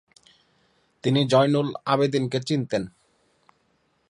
তিনি জয়নুল আবেদিনকে চিনতেন।